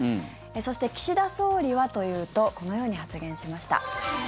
そして、岸田総理はというとこのように発言しました。